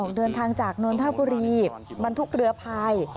เดินทางจากนนทบุรีบรรทุกเรือพาย